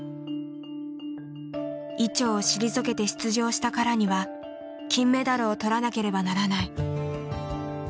伊調を退けて出場したからには金メダルを取らなければならない。